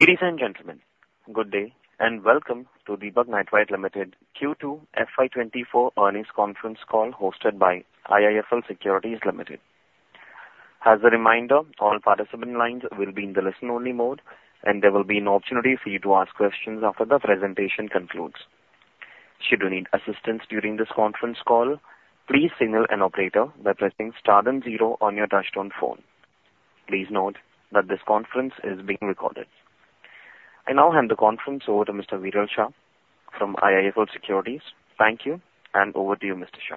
Ladies and gentlemen, good day, and welcome to Deepak Nitrite Limited Q2 FY24 Earnings Conference Call, hosted by IIFL Securities Limited. As a reminder, all participant lines will be in the listen-only mode, and there will be an opportunity for you to ask questions after the presentation concludes. Should you need assistance during this conference call, please signal an operator by pressing star then zero on your touchtone phone. Please note that this conference is being recorded. I now hand the conference over to Mr. Viral Shah from IIFL Securities. Thank you, and over to you, Mr. Shah.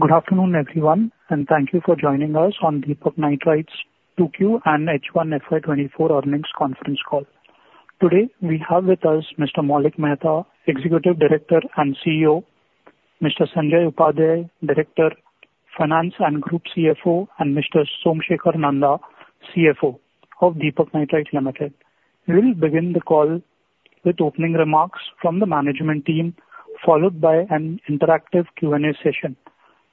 Good afternoon, everyone, and thank you for joining us on Deepak Nitrite's Q2 and H1 FY 2024 Earnings Conference Call. Today, we have with us Mr. Maulik Mehta, Executive Director and CEO; Mr. Sanjay Upadhyay, Director Finance and Group CFO; and Mr. Somsekhar Nanda, CFO of Deepak Nitrite Limited. We will begin the call with opening remarks from the management team, followed by an interactive Q&A session.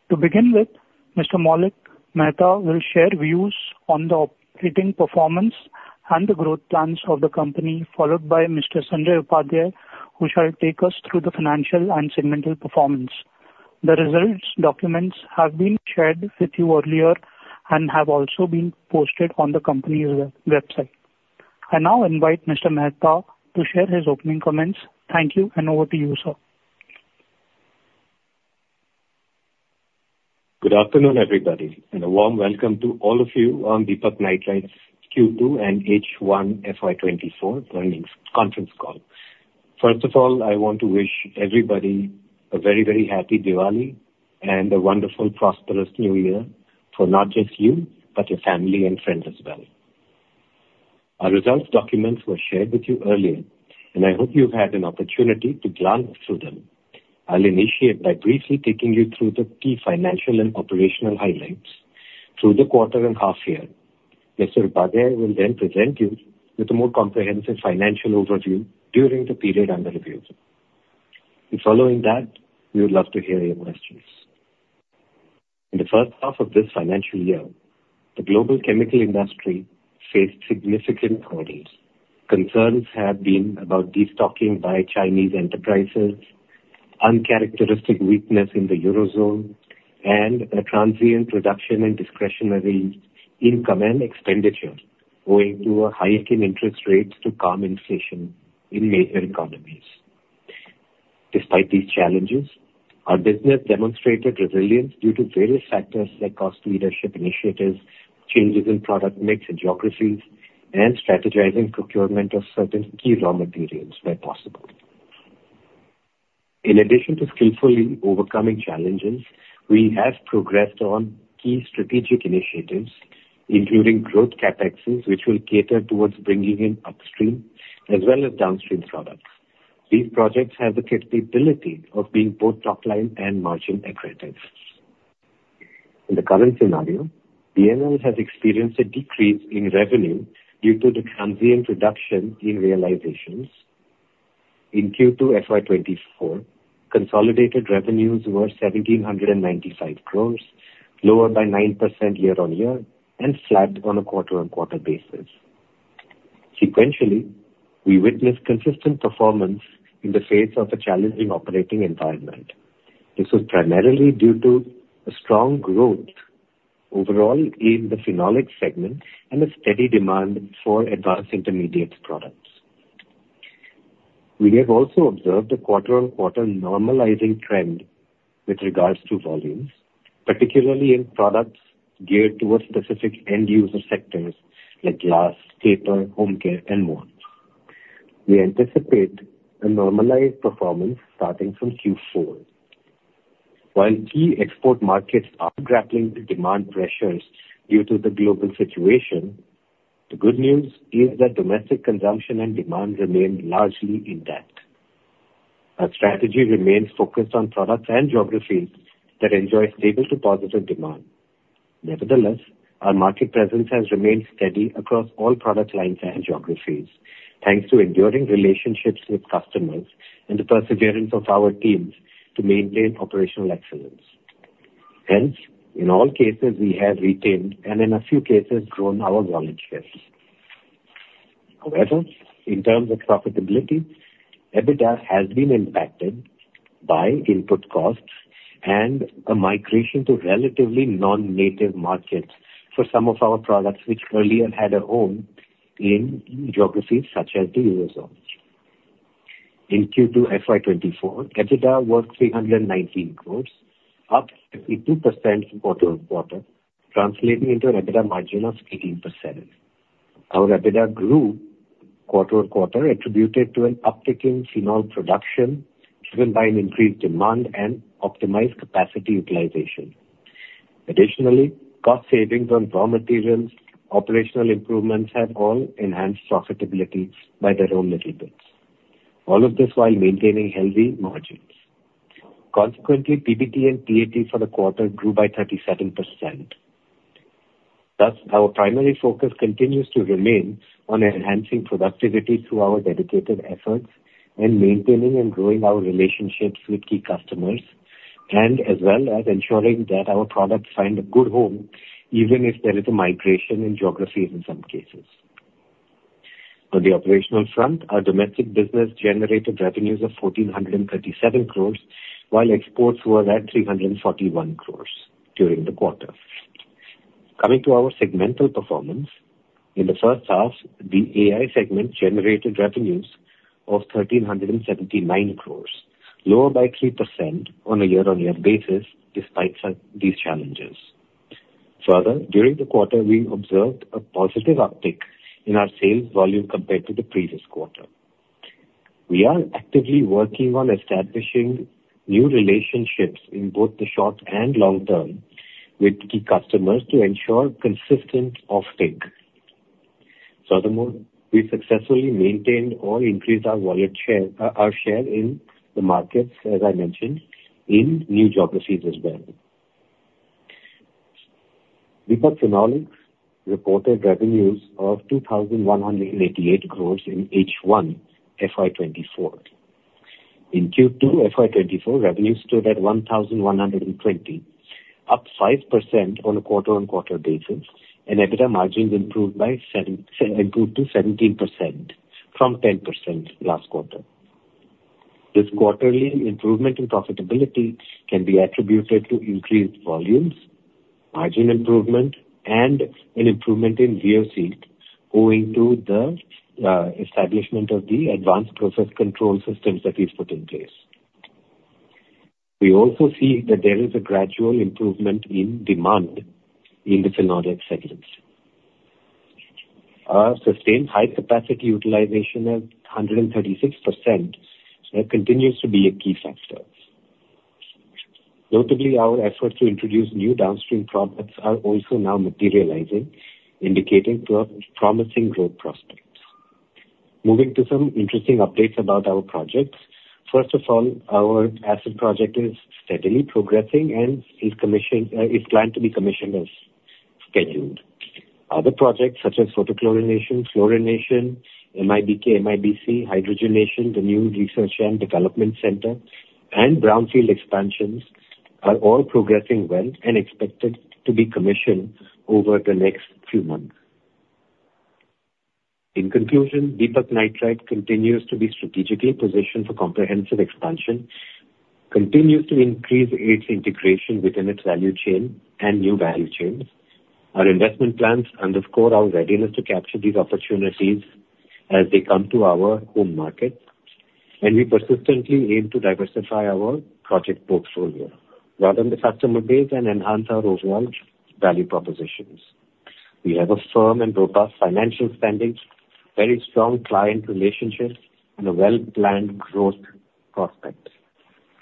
To begin with, Mr. Maulik Mehta will share views on the operating performance and the growth plans of the company, followed by Mr. Sanjay Upadhyay, who shall take us through the financial and segmental performance. The results documents have been shared with you earlier and have also been posted on the company's website. I now invite Mr. Mehta to share his opening comments. Thank you, and over to you, sir. Good afternoon, everybody, and a warm welcome to all of you on Deepak Nitrite's Q2 and H1 FY24 Earnings Conference Call. First of all, I want to wish everybody a very, very happy Diwali and a wonderful, prosperous New Year for not just you, but your family and friends as well. Our results documents were shared with you earlier, and I hope you've had an opportunity to glance through them. I'll initiate by briefly taking you through the key financial and operational highlights through the quarter and half year. Mr. Upadhyay will then present you with a more comprehensive financial overview during the period under review. Following that, we would love to hear your questions. In the first half of this financial year, the global chemical industry faced significant hurdles. Concerns have been about destocking by Chinese enterprises, uncharacteristic weakness in the Eurozone, and a transient reduction in discretionary income and expenditure, owing to a hike in interest rates to calm inflation in major economies. Despite these challenges, our business demonstrated resilience due to various factors like cost leadership initiatives, changes in product mix and geographies, and strategizing procurement of certain key raw materials where possible. In addition to skillfully overcoming challenges, we have progressed on key strategic initiatives, including growth CapExes, which will cater towards bringing in upstream as well as downstream products. These projects have the capability of being both top line and margin accretive. In the current scenario, DNL has experienced a decrease in revenue due to the transient reduction in realizations. In Q2 FY 2024, consolidated revenues were 1,795 crore, lower by 9% year-on-year and flat on a quarter-on-quarter basis. Sequentially, we witnessed consistent performance in the face of a challenging operating environment. This was primarily due to a strong growth overall in the phenolic segment and a steady demand for Advanced Intermediates products. We have also observed a quarter-on-quarter normalizing trend with regards to volumes, particularly in products geared towards specific end user sectors like glass, paper, home care, and more. We anticipate a normalized performance starting from Q4. While key export markets are grappling with demand pressures due to the global situation, the good news is that domestic consumption and demand remained largely intact. Our strategy remains focused on products and geographies that enjoy stable to positive demand. Nevertheless, our market presence has remained steady across all product lines and geographies, thanks to enduring relationships with customers and the perseverance of our teams to maintain operational excellence. Hence, in all cases we have retained, and in a few cases, grown our volume shares. However, in terms of profitability, EBITDA has been impacted by input costs and a migration to relatively non-native markets for some of our products, which earlier had a home in geographies such as the Eurozone. In Q2 FY 2024, EBITDA was INR 319 crore, up 52% quarter-on-quarter, translating into an EBITDA margin of 18%. Our EBITDA grew quarter-on-quarter, attributed to an uptick in phenol production, driven by an increased demand and optimized capacity utilization. Additionally, cost savings on raw materials, operational improvements have all enhanced profitability by their own little bits. All of this while maintaining healthy margins. Consequently, PBT and PAT for the quarter grew by 37%. Thus, our primary focus continues to remain on enhancing productivity through our dedicated efforts and maintaining and growing our relationships with key customers.... and as well as ensuring that our products find a good home, even if there is a migration in geographies in some cases. On the operational front, our domestic business generated revenues of 1,437 crores, while exports were at 341 crores during the quarter. Coming to our segmental performance, in the first half, the AI segment generated revenues of 1,379 crores, lower by 3% on a year-on-year basis, despite some these challenges. Further, during the quarter, we observed a positive uptick in our sales volume compared to the previous quarter. We are actively working on establishing new relationships in both the short and long term with key customers to ensure consistent off-take. Furthermore, we successfully maintained or increased our wallet share, our share in the markets, as I mentioned, in new geographies as well. Deepak Phenolics reported revenues of 2,188 crores in H1 FY 2024. In Q2 FY 2024, revenues stood at 1,120 crores, up 5% on a quarter-on-quarter basis, and EBITDA margins improved by seven, improved to 17% from 10% last quarter. This quarterly improvement in profitability can be attributed to increased volumes, margin improvement, and an improvement in VOC, owing to the establishment of the advanced process control systems that we've put in place. We also see that there is a gradual improvement in demand in the Phenolics segments. Our sustained high capacity utilization at 136%, so it continues to be a key factor. Notably, our efforts to introduce new downstream products are also now materializing, indicating promising growth prospects. Moving to some interesting updates about our projects. First of all, our asset project is steadily progressing and is planned to be commissioned as scheduled. Other projects such as photochlorination, fluorination, MIBK, MIBC, hydrogenation, the new research and development center, and brownfield expansions are all progressing well and expected to be commissioned over the next few months. In conclusion, Deepak Nitrite continues to be strategically positioned for comprehensive expansion, continues to increase its integration within its value chain and new value chains. Our investment plans underscore our readiness to capture these opportunities as they come to our home market, and we persistently aim to diversify our project portfolio, broaden the customer base, and enhance our overall value propositions. We have a firm and robust financial standing, very strong client relationships, and a well-planned growth prospect.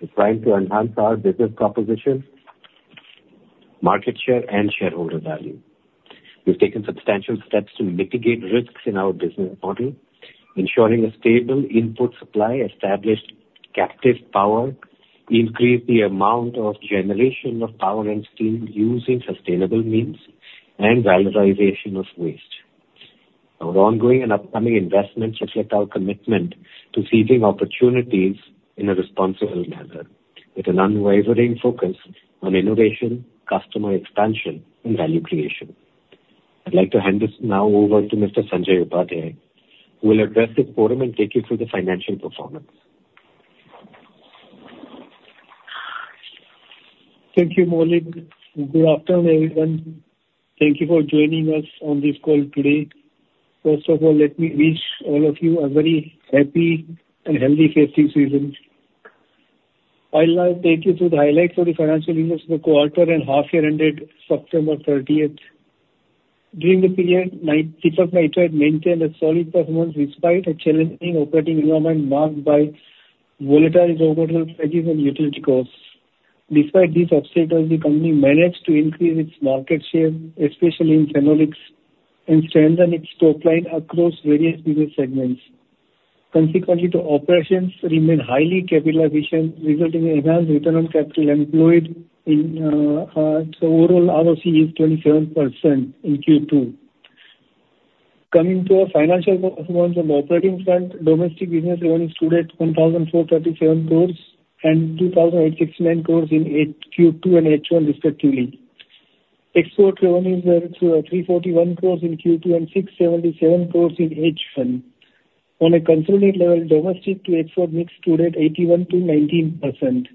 We're trying to enhance our business proposition, market share, and shareholder value. We've taken substantial steps to mitigate risks in our business model, ensuring a stable input supply, established captive power, increase the amount of generation of power and steam using sustainable means, and valorization of waste. Our ongoing and upcoming investments reflect our commitment to seizing opportunities in a responsible manner, with an unwavering focus on innovation, customer expansion, and value creation. I'd like to hand this now over to Mr. Sanjay Upadhyay, who will address this forum and take you through the financial performance. Thank you, Maulik. Good afternoon, everyone. Thank you for joining us on this call today. First of all, let me wish all of you a very happy and healthy festive season. I'll now take you through the highlights of the financial results for the quarter and half year ended September 30th. During the period, Deepak Nitrite maintained a solid performance despite a challenging operating environment marked by volatile raw material prices and utility costs. Despite these obstacles, the company managed to increase its market share, especially in phenolics, and strengthen its top line across various business segments. Consequently, the operations remain highly capital efficient, resulting in enhanced return on capital employed. Its overall ROCE is 27% in Q2. Coming to our financial performance on the operating front, domestic business revenue stood at 1,437 crores and 2,869 crores in Q2 and H1 respectively. Export revenue were 341 crores in Q2 and 677 crores in H1. On a consolidated level, domestic to export mix stood at 81%-19%.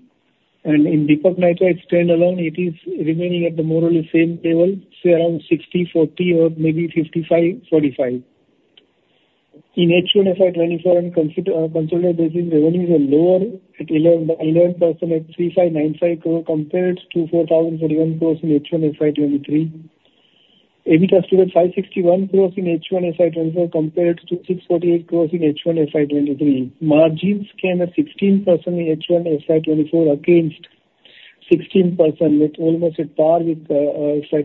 And in Deepak Nitrite standalone, it is remaining at the more or less same level, say around 60/40 or maybe 55/45. In H1 FY 2024, on a consolidated basis, revenues are lower at 11.11% at 3,595 crore compared to 4,031 crores in H1 FY 2023. EBITDA stood at 561 crores in H1 FY 2024 compared to 648 crores in H1 FY 2023. Margins came at 16% in H1 FY 2024 against 16%, with almost at par with FY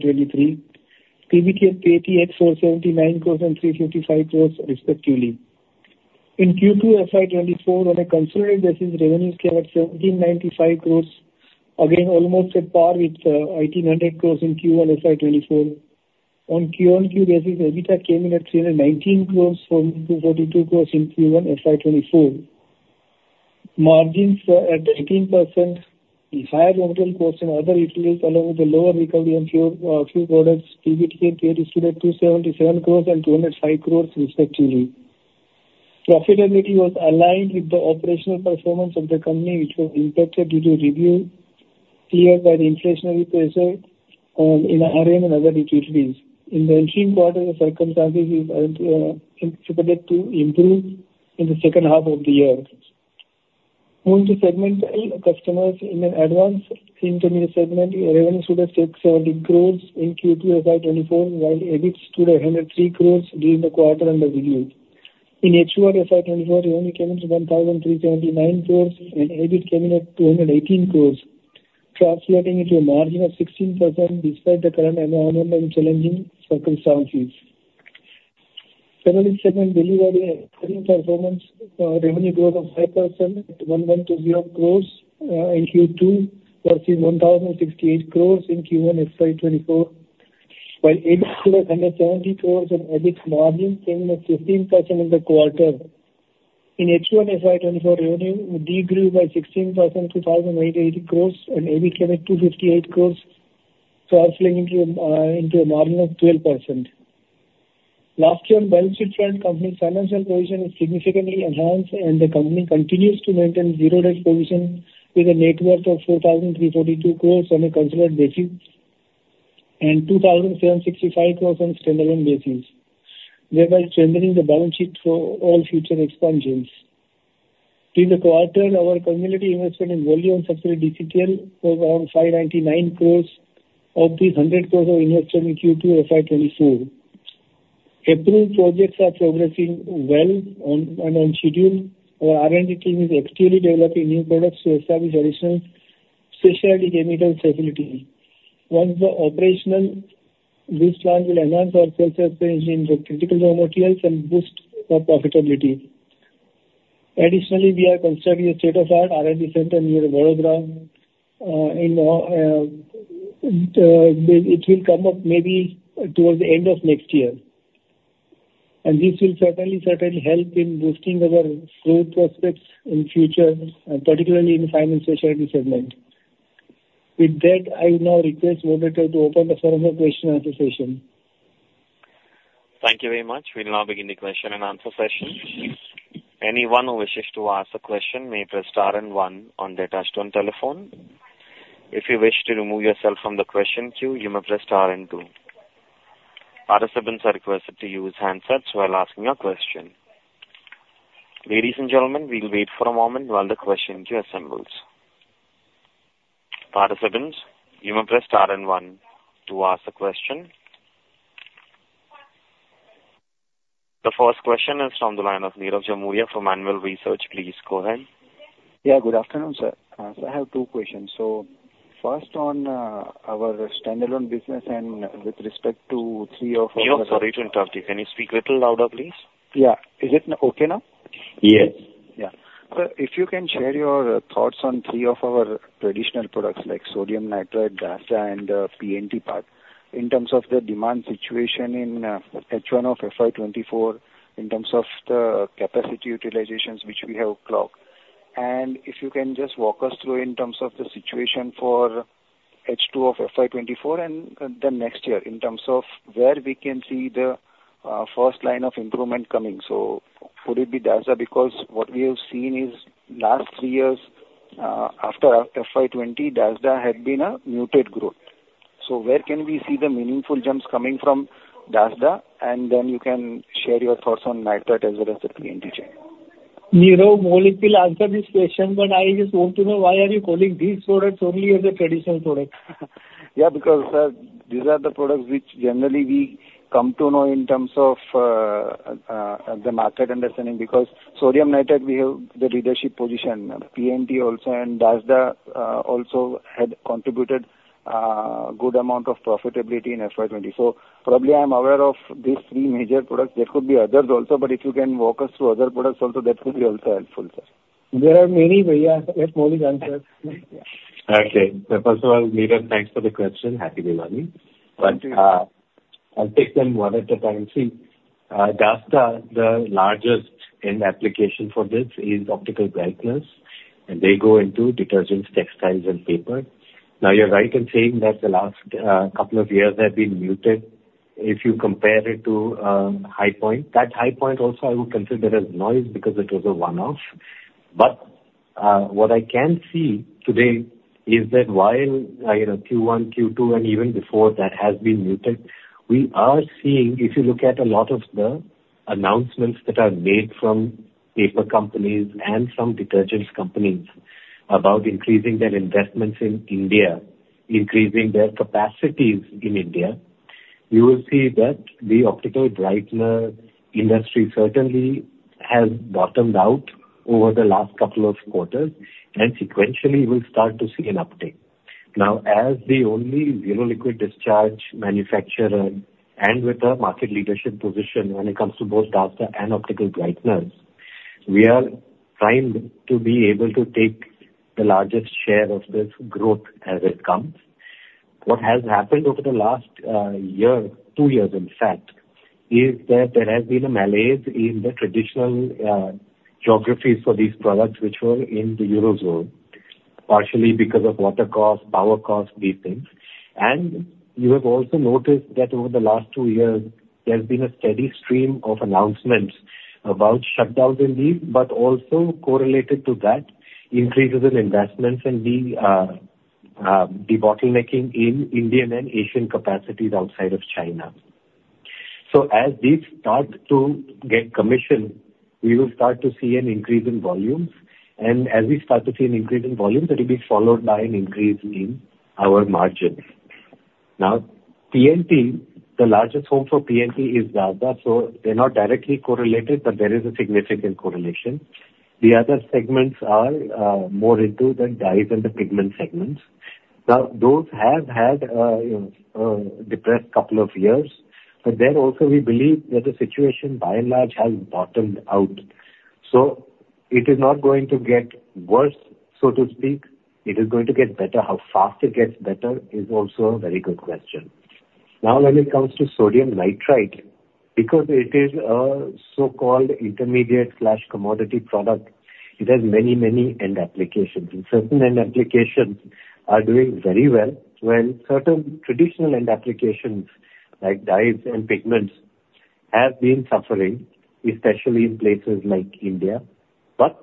2023. PBT at INR 884.79 crores and INR 355 crores respectively. In Q2 FY 2024, on a consolidated basis, revenues came at 1,795 crores, again, almost at par with 1,800 crores in Q1 FY 2024. On Q-on-Q basis, EBITDA came in at 319 crores from 242 crores in Q1 FY 2024. Margins were at 19%, the higher raw material costs and other utilities, along with the lower recovery on fuel, fuel products, EBITDA stood at 277 crores and 205 crores respectively. Profitability was aligned with the operational performance of the company, which was impacted due to review cleared by the inflationary pressure, in our area and other utilities. In the interim quarter, the circumstances is going to expected to improve in the second half of the year. Moving to the Advanced Intermediates segment, the revenue stood at INR 670 crore in Q2 FY 2024, while EBIT stood at INR 103 crore during the quarter under review. In H1 FY 2024, revenue came into INR 1,379 crore and EBIT came in at INR 218 crore, translating into a margin of 16% despite the current economic challenging circumstances. Finally, segment delivery performance, revenue growth of 5% at 1,120 crore in Q2 versus 1,068 crore in Q1 FY 2024, while EBIT 170 crore and EBIT margin came at 15% in the quarter. In H1 FY 2024, revenue decreased by 16% to 1,080 crores and EBIT came at 258 crores, translating into a margin of 12%. Last year, balance sheet and company's financial position is significantly enhanced, and the company continues to maintain zero risk position with a net worth of 4,342 crores on a consolidated basis, and 2,765 crores on standalone basis, thereby strengthening the balance sheet for all future expansions. In the quarter, our cumulative investment in wholly owned subsidiary DCTL was around 599 crores. Of these, 100 crores are invested in Q2 FY 2024. Several projects are progressing well on schedule. Our R&D team is actively developing new products to establish additional specialty chemical stability. Once they're operational, this plant will enhance our presence in the critical raw materials and boost our profitability. Additionally, we are constructing a state-of-the-art R&D center near Vadodara. It will come up maybe towards the end of next year. This will certainly, certainly help in boosting our growth prospects in future, particularly in the fine and specialty segment. With that, I would now request moderator to open the forum for question and answer session. Thank you very much. We'll now begin the question and answer session. Anyone who wishes to ask a question may press star and one on their touchtone telephone. If you wish to remove yourself from the question queue, you may press star and two. Participants are requested to use handsets while asking a question. Ladies and gentlemen, we'll wait for a moment while the question queue assembles. Participants, you may press star and one to ask a question. The first question is from the line of Nirav Jimudia from Anvil Research. Please go ahead. Yeah, good afternoon, sir. I have two questions. So first on, our standalone business and with respect to three or four- Nirav, sorry to interrupt you. Can you speak a little louder, please? Yeah. Is it okay now? Yes. Yeah. So if you can share your thoughts on three of our traditional products like Sodium Nitrate, DASDA, and PNT part, in terms of the demand situation in H1 of FY 2024, in terms of the capacity utilizations which we have clocked. And if you can just walk us through in terms of the situation for H2 of FY 2024, and the next year in terms of where we can see the first line of improvement coming. So would it be DASDA? Because what we have seen is last three years after FY 2020, DASDA had been a muted growth. So where can we see the meaningful jumps coming from DASDA? And then you can share your thoughts on nitrate as well as the PNT chain. Nirav, Maulik will answer this question, but I just want to know, why are you calling these products only as a traditional product? Yeah, because, these are the products which generally we come to know in terms of, the market understanding, because sodium nitrate, we have the leadership position, PNT also and DASDA, also had contributed, good amount of profitability in FY 2020. So probably I'm aware of these three major products. There could be others also, but if you can walk us through other products also, that would be also helpful, sir. There are many, but yeah, let Maulik answer. Okay. So first of all, Nirav, thanks for the question. Happy New Year. But, I'll take them one at a time. See, DASDA, the largest end application for this is optical brighteners, and they go into detergents, textiles and paper. Now, you're right in saying that the last, couple of years have been muted if you compare it to, high point. That high point also, I would consider as noise because it was a one-off. But, what I can see today is that while, you know, Q1, Q2, and even before that has been muted, we are seeing, if you look at a lot of the announcements that are made from paper companies and from detergents companies, about increasing their investments in India, increasing their capacities in India, you will see that the optical brighteners industry certainly has bottomed out over the last couple of quarters, and sequentially we'll start to see an uptick. Now, as the only Zero Liquid Discharge manufacturer and with a market leadership position when it comes to both DASDA and optical brighteners... We are trying to be able to take the largest share of this growth as it comes. What has happened over the last, year, two years in fact, is that there has been a malaise in the traditional, geographies for these products which were in the Eurozone, partially because of water cost, power cost, these things. And you have also noticed that over the last two years there has been a steady stream of announcements about shutdowns in these, but also correlated to that, increases in investments and the, the bottlenecking in Indian and Asian capacities outside of China. So as these start to get commissioned, we will start to see an increase in volumes, and as we start to see an increase in volumes, that will be followed by an increase in our margins. Now, PNT, the largest home for PNT is Dahej, so they're not directly correlated, but there is a significant correlation. The other segments are, more into the dyes and the pigment segments. Now, those have had, you know, a depressed couple of years, but there also we believe that the situation by and large, has bottomed out. So it is not going to get worse, so to speak. It is going to get better. How fast it gets better is also a very good question. Now, when it comes to sodium nitrite, because it is a so-called intermediate/commodity product, it has many, many end applications. And certain end applications are doing very well, when certain traditional end applications, like dyes and pigments, have been suffering, especially in places like India. But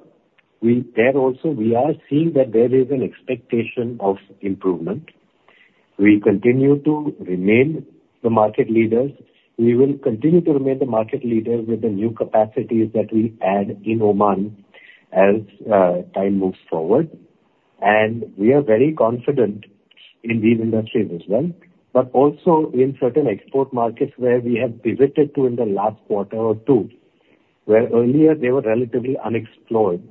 we, there also, we are seeing that there is an expectation of improvement. We continue to remain the market leaders. We will continue to remain the market leader with the new capacities that we add in Oman as time moves forward. We are very confident in these industries as well, but also in certain export markets where we have pivoted to in the last quarter or two, where earlier they were relatively unexplored.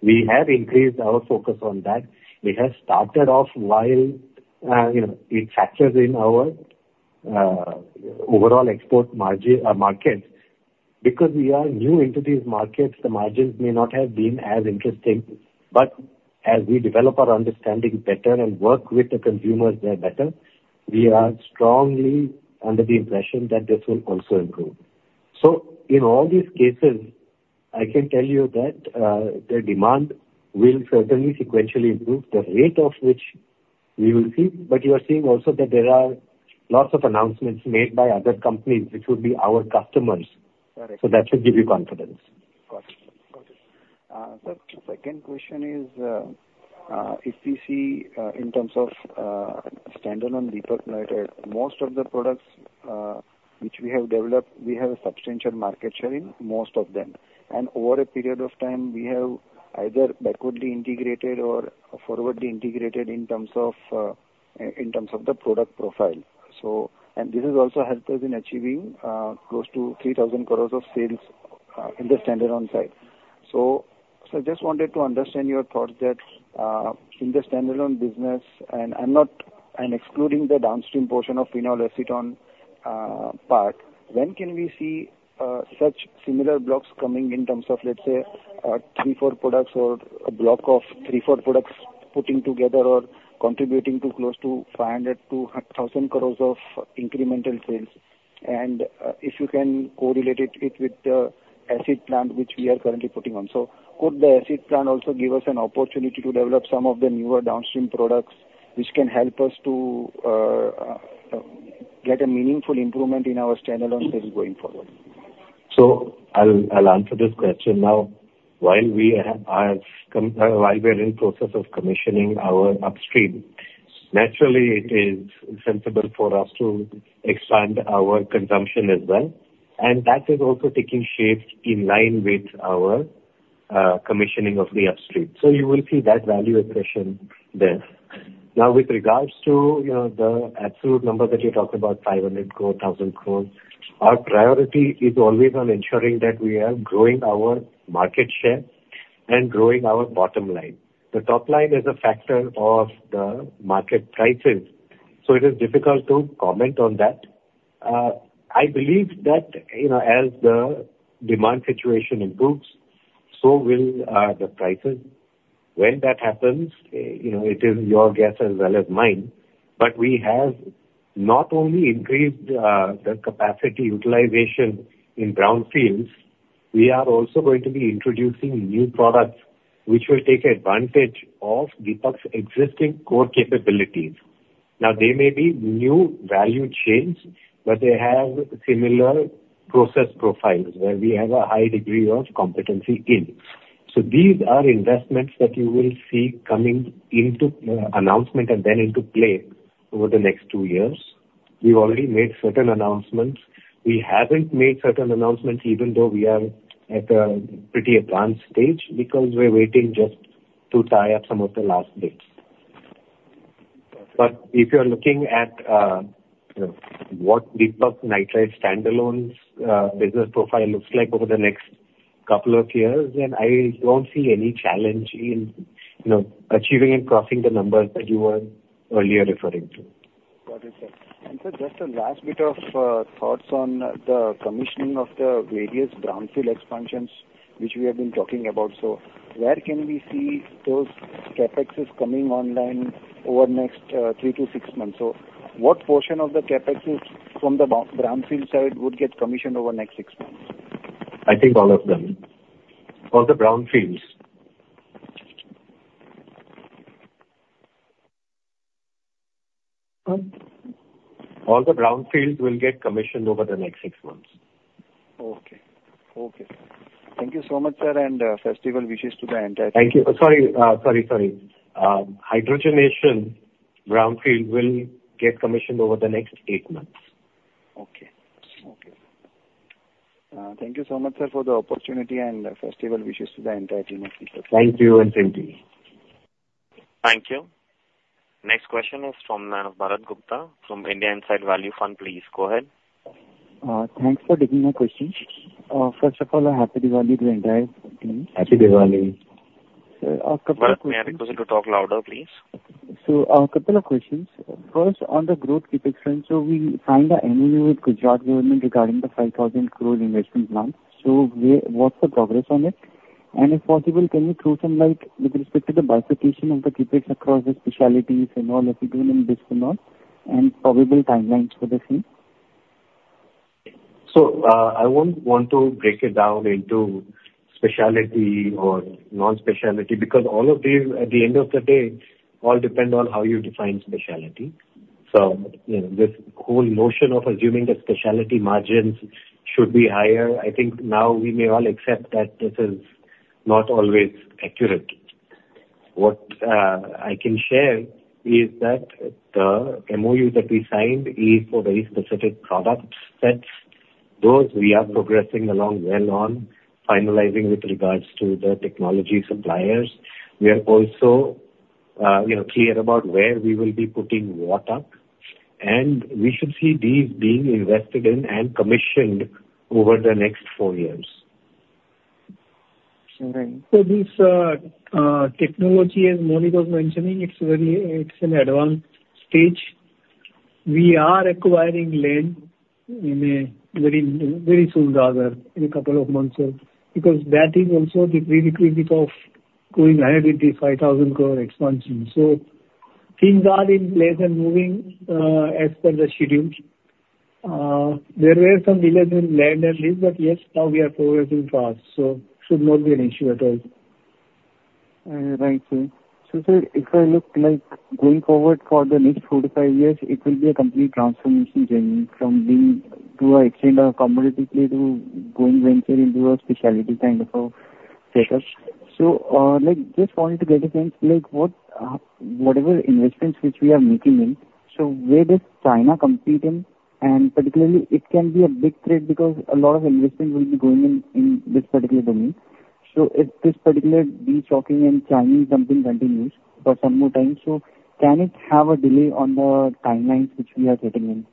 We have increased our focus on that. We have started off while, you know, it factors in our overall export markets. Because we are new into these markets, the margins may not have been as interesting, but as we develop our understanding better and work with the consumers there better, we are strongly under the impression that this will also improve. In all these cases, I can tell you that the demand will certainly sequentially improve, the rate of which we will see. But you are seeing also that there are lots of announcements made by other companies, which will be our customers. Correct. So that should give you confidence. Got it. Got it. The second question is, if you see, in terms of standalone Deepak Nitrite, most of the products, which we have developed, we have a substantial market share in most of them. And over a period of time, we have either backwardly integrated or forwardly integrated in terms of the product profile. So, and this has also helped us in achieving close to 3,000 crore of sales in the standalone side. I just wanted to understand your thoughts that, in the standalone business, and I'm not- I'm excluding the downstream portion of phenol acetone, part, when can we see, such similar blocks coming in terms of, let's say, three, four products or a block of three, four products putting together or contributing to close to 500 crores-1,000 crores of incremental sales? And, if you can correlate it, it with the acid plant which we are currently putting on. Could the acid plant also give us an opportunity to develop some of the newer downstream products which can help us to, get a meaningful improvement in our standalone sales going forward? So I'll answer this question now. While we are in process of commissioning our upstream, naturally it is sensible for us to expand our consumption as well, and that is also taking shape in line with our commissioning of the upstream. So you will see that value accretion there. Now, with regards to, you know, the absolute number that you talked about, 500 crore, 1,000 crore, our priority is always on ensuring that we are growing our market share and growing our bottom line. The top line is a factor of the market prices, so it is difficult to comment on that. I believe that, you know, as the demand situation improves, so will the prices. When that happens, you know, it is your guess as well as mine. But we have not only increased the capacity utilization in brownfields, we are also going to be introducing new products which will take advantage of Deepak's existing core capabilities. Now, they may be new value chains, but they have similar process profiles where we have a high degree of competency in. So these are investments that you will see coming into announcement and then into play over the next two years. We've already made certain announcements. We haven't made certain announcements, even though we are at a pretty advanced stage, because we're waiting just to tie up some of the last bits. But if you're looking at you know, what Deepak Nitrite standalone's business profile looks like over the next couple of years, then I don't see any challenge in you know, achieving and crossing the numbers that you were earlier referring to.... Got it, sir. And sir, just a last bit of thoughts on the commissioning of the various brownfield expansions which we have been talking about. So where can we see those CapExs coming online over the next three to six months? So what portion of the CapExs from the brownfield side would get commissioned over the next six months? I think all of them. All the brownfields. Huh? All the Brownfields will get commissioned over the next six months. Okay. Okay. Thank you so much, sir, and festival wishes to the entire team. Thank you. Oh, sorry. Hydrogenation brownfield will get commissioned over the next eight months. Okay. Okay. Thank you so much, sir, for the opportunity, and festival wishes to the entire team. Thank you, and same to you. Thank you. Next question is from Bharat Gupta from India Inside Value Fund. Please go ahead. Thanks for taking my question. First of all, a happy Diwali to the entire team. Happy Diwali. Sir, a couple of questions- Bharat, may I request you to talk louder, please? A couple of questions. First, on the growth CapEx front, we signed a MOU with Gujarat government regarding the 5,000 crore investment plan. So where... what's the progress on it? And if possible, can you throw some light with respect to the participation of the CapEx across the specialties and all, if you're doing this or not, and probable timelines for the same? So, I won't want to break it down into specialty or non-specialty, because all of these, at the end of the day, all depend on how you define specialty. So, you know, this whole notion of assuming that specialty margins should be higher, I think now we may all accept that this is not always accurate. What I can share is that the MoU that we signed is for very specific product sets. Those we are progressing along well on, finalizing with regards to the technology suppliers. We are also, you know, clear about where we will be putting what up, and we should see these being invested in and commissioned over the next four years. Right. So this, technology, as Mani was mentioning, it's very, it's an advanced stage. We are acquiring land in a very, very soon rather, in a couple of months, because that is also the prerequisite of going ahead with the 5,000 crore expansion. So things are in place and moving, as per the schedule. There were some delays in land at least, but yes, now we are progressing fast, so should not be an issue at all. Right, sir. So, sir, if I look like going forward for the next four-five years, it will be a complete transformation journey from being to a extent of competitively to going venture into a specialty kind of a status. So, like, just wanted to get a sense, like what whatever investments which we are making in, so where does China compete in? And particularly, it can be a big threat because a lot of investments will be going in, in this particular domain. So if this particular de-stocking and Chinese dumping continues for some more time, so can it have a delay on the timelines which we are setting in?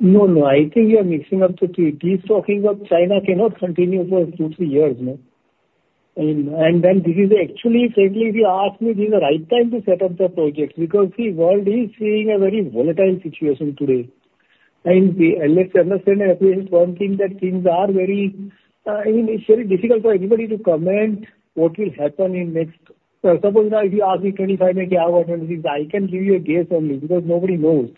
No, no. I think you are mixing up the two. De-stocking of China cannot continue for two-three years, no? And then this is actually, frankly, we ask, is this the right time to set up the projects? Because the world is seeing a very volatile situation today. And let's understand and appreciate one thing, that things are very, I mean, it's very difficult for anybody to comment what will happen in next... Suppose now, if you ask me 25, like, how about this? I can give you a guess only, because nobody knows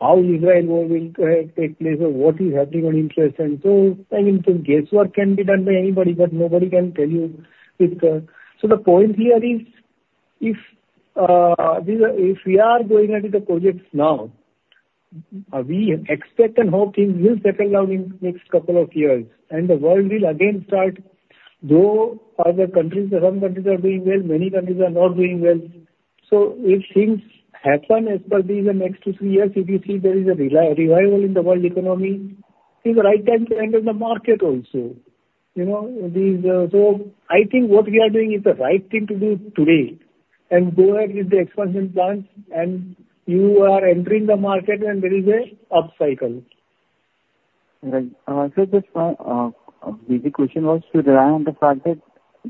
how Israel war will take place or what is happening on interest. And so, I mean, some guesswork can be done by anybody, but nobody can tell you with... So the point here is, if we are going into the projects now, we expect and hope things will settle down in next couple of years, and the world will again start. Though other countries, some countries are doing well, many countries are not doing well. So if things happen as per the next two, three years, if you see there is a revival in the world economy, is the right time to enter the market also. You know, these... So I think what we are doing is the right thing to do today, and go ahead with the expansion plans, and you are entering the market when there is a upcycle. Right. So just one, the question was to rely on the fact that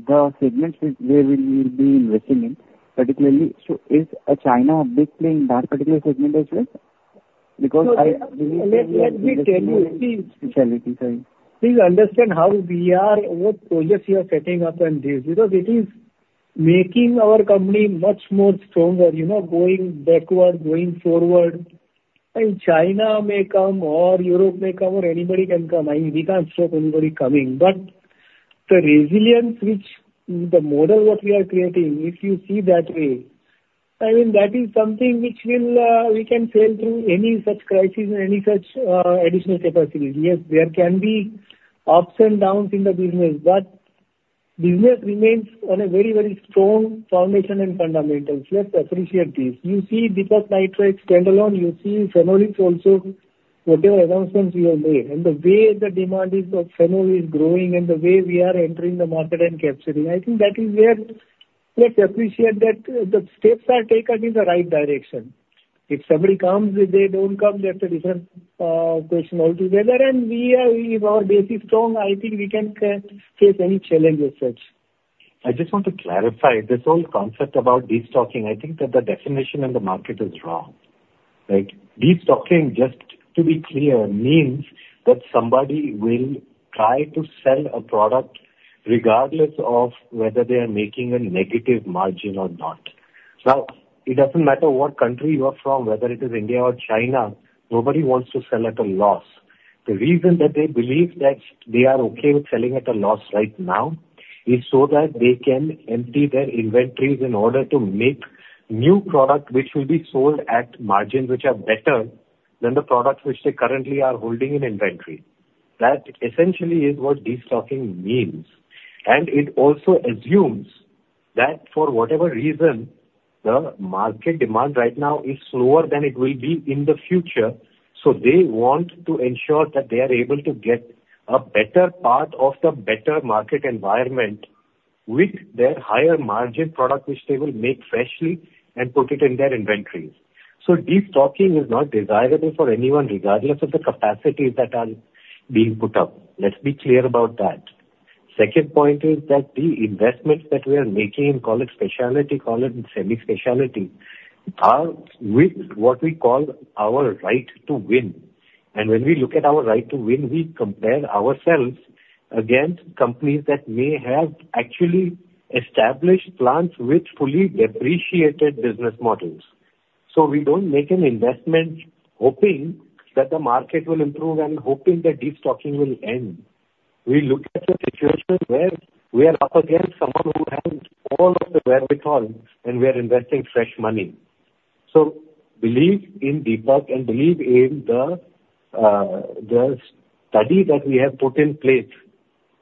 the segments which we will be investing in, particularly, so is China a big play in that particular segment as well? Because I- So let me tell you, see- Specialty, sorry. Please understand how we are, what projects we are setting up and this, because it is making our company much more stronger, you know, going backward, going forward. And China may come, or Europe may come, or anybody can come. I mean, we can't stop anybody coming. But the resilience which, the model what we are creating, if you see that way, I mean, that is something which will, we can sail through any such crisis or any such additional capacity. Yes, there can be ups and downs in the business, but business remains on a very, very strong foundation and fundamentals. Let's appreciate this. You see, Deepak Nitrite standalone, you see Phenolics also, whatever announcements we have made, and the way the demand is of Phenolics is growing and the way we are entering the market and capturing, I think that is where; let's appreciate that, the steps are taken in the right direction. If somebody comes, if they don't come, that's a different question altogether. And we are; if our base is strong, I think we can face any challenge as such.... I just want to clarify, this whole concept about destocking, I think that the definition in the market is wrong. Like, destocking, just to be clear, means that somebody will try to sell a product regardless of whether they are making a negative margin or not. Now, it doesn't matter what country you are from, whether it is India or China, nobody wants to sell at a loss. The reason that they believe that they are okay with selling at a loss right now, is so that they can empty their inventories in order to make new product, which will be sold at margins which are better than the products which they currently are holding in inventory. That essentially is what destocking means. And it also assumes that for whatever reason, the market demand right now is slower than it will be in the future, so they want to ensure that they are able to get a better part of the better market environment with their higher margin product, which they will make freshly and put it in their inventories. So destocking is not desirable for anyone, regardless of the capacities that are being put up. Let's be clear about that. Second point is that the investments that we are making, call it specialty, call it semi-specialty, are with what we call our right to win. And when we look at our right to win, we compare ourselves against companies that may have actually established plants with fully depreciated business models. So we don't make an investment hoping that the market will improve and hoping that destocking will end. We look at the situation where we are up against someone who has all of the wherewithal, and we are investing fresh money. So believe in Deepak and believe in the study that we have put in place.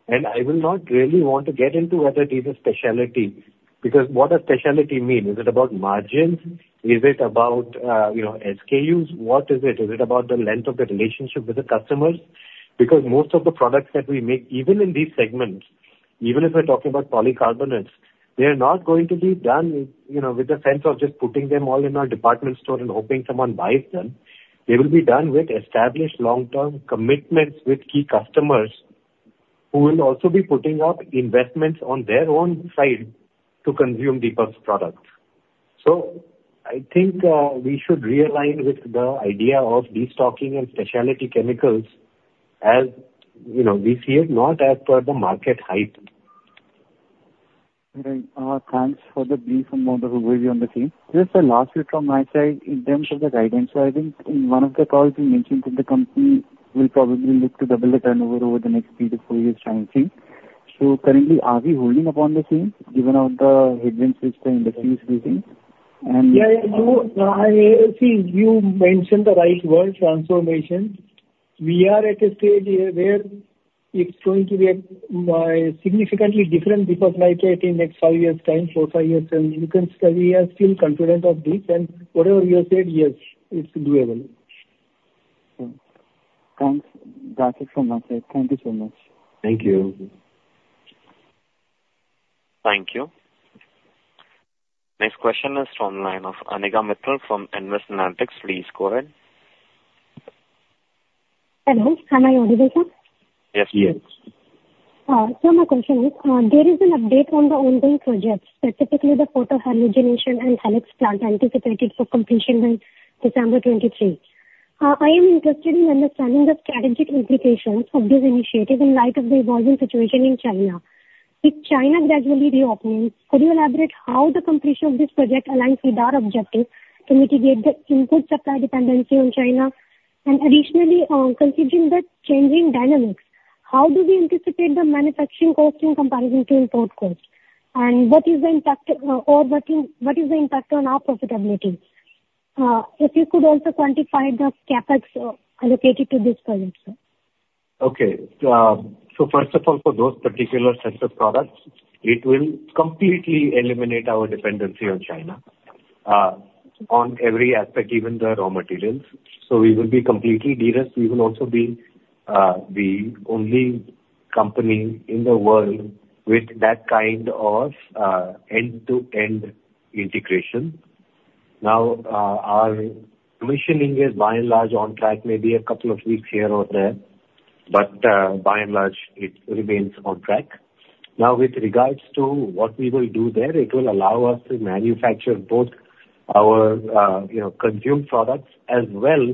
And I will not really want to get into whether it is a specialty, because what does specialty mean? Is it about margins? Is it about, you know, SKUs? What is it? Is it about the length of the relationship with the customers? Because most of the products that we make, even in these segments, even if we're talking about polycarbonates, they are not going to be done, you know, with the sense of just putting them all in our department store and hoping someone buys them. They will be done with established long-term commitments with key customers, who will also be putting up investments on their own side to consume Deepak's products. So I think, we should realign with the idea of destocking and specialty chemicals, as, you know, we see it, not as per the market hype. Right. Thanks for the brief and more the overview on the team. Just the last bit from my side, in terms of the guidance. So I think in one of the calls you mentioned that the company will probably look to double the turnover over the next three-four years time frame. So currently, are we holding upon the same, given all the headwinds which the industry is facing? And- Yeah, yeah. So I think you mentioned the right word, transformation. We are at a stage where it's going to be a significantly different Deepak Nitrite in the next five years' time, four, five years, and you can say we are still confident of this. And whatever you have said, yes, it's doable. Thanks. That's it from my side. Thank you so much. Thank you. Thank you. Next question is from the line of Anika Mittal from Nvest Analytics. Please go ahead. Hello, am I audible, sir? Yes, yes. So, my question is, there is an update on the ongoing projects, specifically the Photohalogenation and Helix plant anticipated for completion in December 2023. I am interested in understanding the strategic implications of this initiative in light of the evolving situation in China. With China gradually reopening, could you elaborate how the completion of this project aligns with our objective to mitigate the input supply dependency on China? And additionally, considering the changing dynamics, how do we anticipate the manufacturing cost in comparison to import cost? And what is the impact, or what is the impact on our profitability? If you could also quantify the CapEx allocated to this project, sir. Okay. So first of all, for those particular sets of products, it will completely eliminate our dependency on China, on every aspect, even the raw materials. So we will be completely de-risked. We will also be the only company in the world with that kind of end-to-end integration. Now, our commissioning is by and large on track, maybe a couple of weeks here or there, but by and large, it remains on track. Now, with regards to what we will do there, it will allow us to manufacture both our, you know, consumed products as well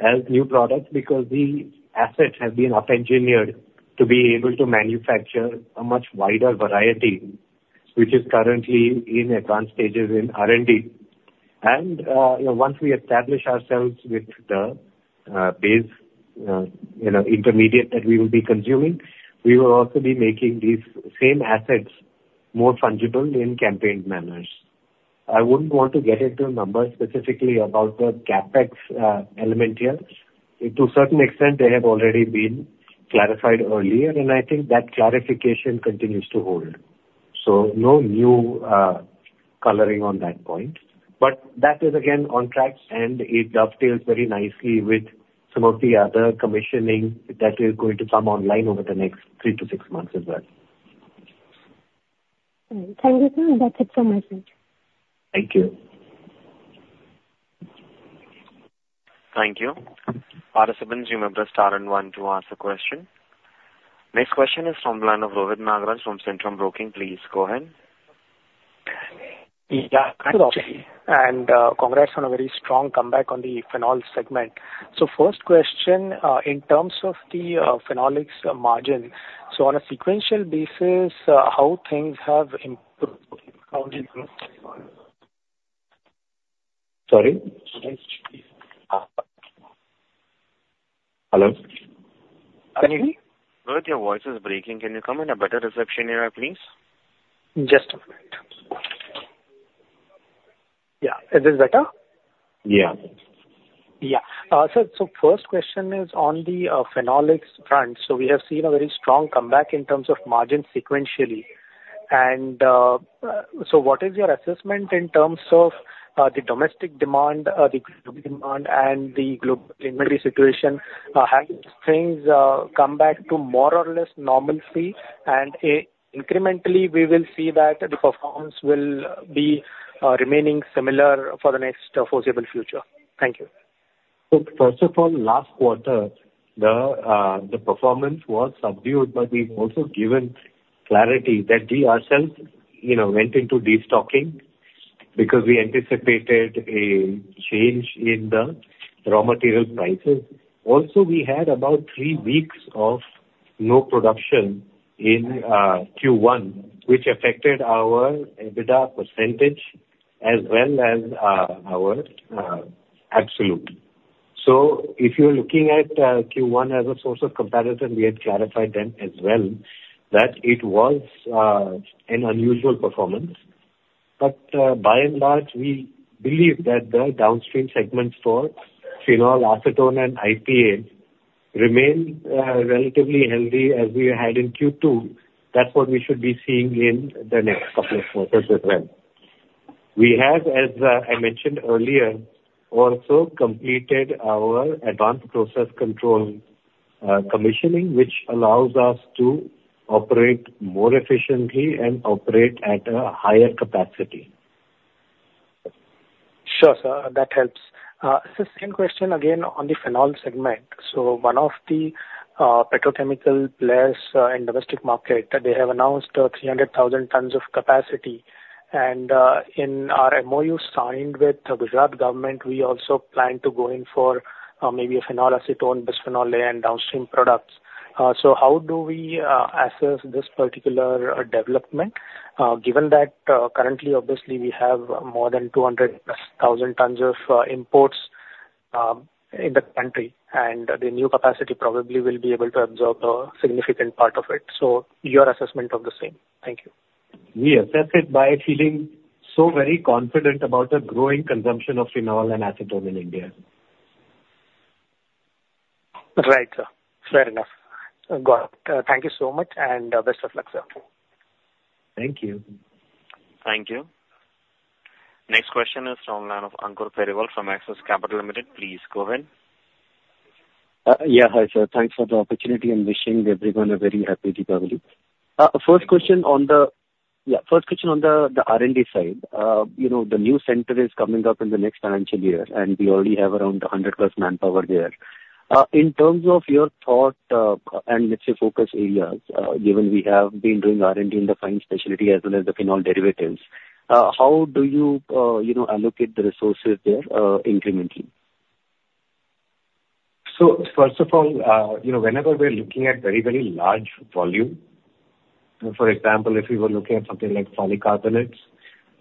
as new products, because the assets have been up-engineered to be able to manufacture a much wider variety, which is currently in advanced stages in R&D. You know, once we establish ourselves with the base, you know, intermediate that we will be consuming, we will also be making these same assets more fungible in campaign manners. I wouldn't want to get into a number specifically about the CapEx element here. To a certain extent, they have already been clarified earlier, and I think that clarification continues to hold. No new coloring on that point. But that is again on track, and it dovetails very nicely with some of the other commissioning that is going to come online over the next three-six months as well. Thank you, sir. That's it from my side. Thank you.... Thank you. Participants, you may press star and one to ask a question. Next question is from the line of Rohit Nagraj from Centrum Broking. Please, go ahead. Yeah, and congrats on a very strong comeback on the Phenol segment. So first question, in terms of the Phenolics margin, so on a sequential basis, how things have improved? Sorry? Hello? Rohit, your voice is breaking. Can you come in a better reception area, please? Just a minute. Yeah. Is this better? Yeah. Yeah. So first question is on the Phenolics front. So we have seen a very strong comeback in terms of margin sequentially. And so what is your assessment in terms of the domestic demand, the demand and the global inventory situation? Have things come back to more or less normalcy, and incrementally we will see that the performance will be remaining similar for the next foreseeable future? Thank you. So first of all, last quarter, the performance was subdued, but we've also given clarity that we ourselves, you know, went into destocking because we anticipated a change in the raw material prices. Also, we had about three weeks of no production in Q1, which affected our EBITDA percentage as well as our absolute. So if you're looking at Q1 as a source of comparison, we had clarified them as well, that it was an unusual performance. But, by and large, we believe that the downstream segments for phenol, acetone, and IPA remain relatively healthy as we had in Q2. That's what we should be seeing in the next couple of quarters as well. We have, as I mentioned earlier, also completed our Advanced Process Control commissioning, which allows us to operate more efficiently and operate at a higher capacity. Sure, sir. That helps. So same question again on the phenol segment. So one of the petrochemical players in domestic market, they have announced 300,000 tons of capacity. And in our MOU signed with Gujarat government, we also plan to go in for maybe a phenol, acetone, bisphenol A and downstream products. So how do we assess this particular development given that currently obviously we have more than 200,000+ tons of imports in the country, and the new capacity probably will be able to absorb a significant part of it. So your assessment of the same. Thank you. We assess it by feeling so very confident about the growing consumption of Phenol and Acetone in India. Right, sir. Fair enough. Got it. Thank you so much, and best of luck, sir. Thank you. Thank you. Next question is from the line of Ankur Periwal from Axis Capital Limited. Please go ahead. Yeah. Hi, sir. Thanks for the opportunity, and wishing everyone a very happy Deepavali. First question on the R&D side. You know, the new center is coming up in the next financial year, and we already have around 100+ manpower there. In terms of your thought and let's say focus areas, given we have been doing R&D in the fine specialty as well as the phenol derivatives, how do you, you know, allocate the resources there incrementally? So first of all, you know, whenever we're looking at very, very large volume, for example, if we were looking at something like polycarbonates,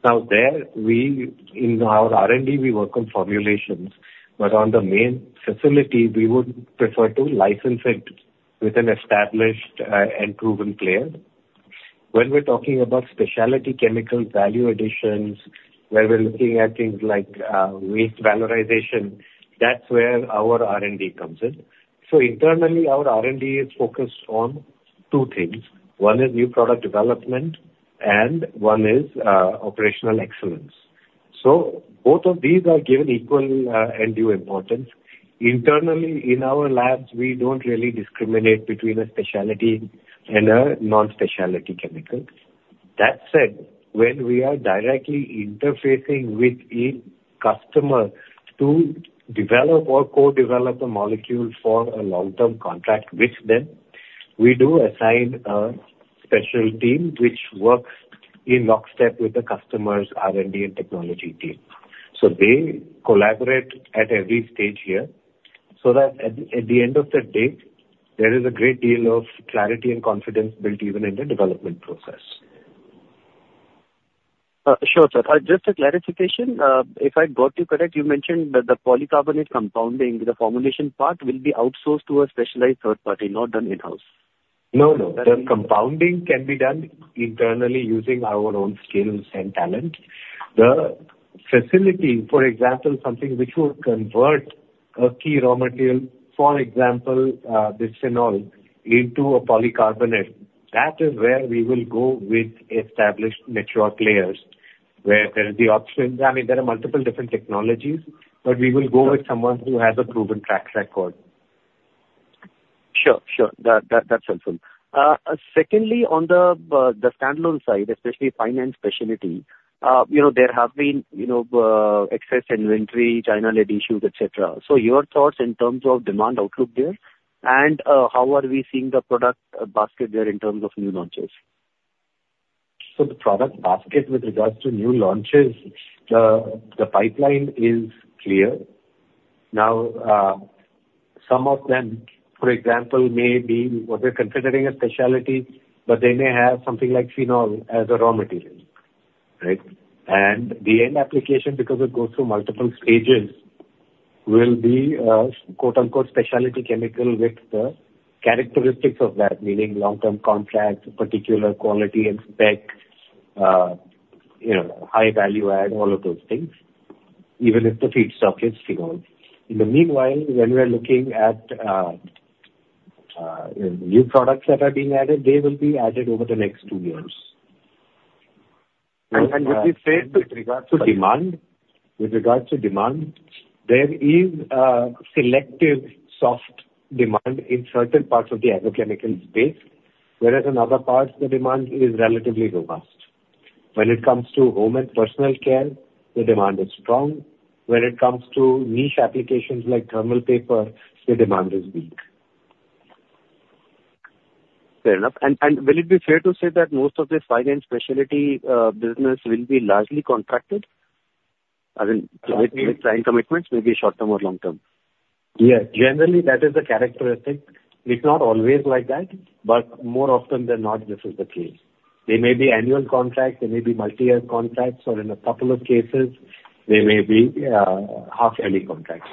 now there we, in our R&D, we work on formulations, but on the main facility, we would prefer to license it with an established, and proven player. When we're talking about specialty chemical value additions, where we're looking at things like, waste valorization, that's where our R&D comes in. So internally, our R&D is focused on two things. One is new product development, and one is, operational excellence. So both of these are given equal, and due importance. Internally, in our labs, we don't really discriminate between a specialty and a non-specialty chemical. That said, when we are directly interfacing with a customer to develop or co-develop a molecule for a long-term contract with them, we do assign a special team which works in lockstep with the customer's R&D and technology team. So they collaborate at every stage here, so that at the end of the day, there is a great deal of clarity and confidence built even in the development process. Sure, sir. Just a clarification, if I got you correct, you mentioned that the polycarbonate compounding, the formulation part, will be outsourced to a specialized third party, not done in-house? No, no. The compounding can be done internally using our own skills and talent. The facility, for example, something which would convert a key raw material, for example, bisphenol into a polycarbonate, that is where we will go with established mature players, where there is the option. I mean, there are multiple different technologies, but we will go with someone who has a proven track record.... Sure. That, that, that's helpful. Secondly, on the, the standalone side, especially fine and specialty, you know, there have been, you know, excess inventory, China-led issues, et cetera. So your thoughts in terms of demand outlook there, and, how are we seeing the product basket there in terms of new launches? The product basket with regards to new launches, the pipeline is clear. Now, some of them, for example, may be what we're considering a specialty, but they may have something like Phenol as a raw material, right? And the end application, because it goes through multiple stages, will be, quote, unquote, "specialty chemical" with the characteristics of that, meaning long-term contracts, particular quality and spec, you know, high value add, all of those things, even if the feedstock is Phenol. In the meanwhile, when we're looking at new products that are being added, they will be added over the next two years. Would you say with regards to demand? With regards to demand, there is selective soft demand in certain parts of the agrochemical space. Whereas in other parts, the demand is relatively robust. When it comes to home and personal care, the demand is strong. When it comes to niche applications like thermal paper, the demand is weak. Fair enough. Will it be fair to say that most of this fine and specialty business will be largely contracted? I mean, with client commitments, maybe short term or long term. Yeah. Generally, that is the characteristic. It's not always like that, but more often than not, this is the case. They may be annual contracts, they may be multi-year contracts, or in a couple of cases, they may be half-yearly contracts.